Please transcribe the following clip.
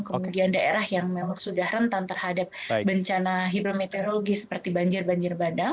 kemudian daerah yang memang sudah rentan terhadap bencana hidrometeorologi seperti banjir banjir bandang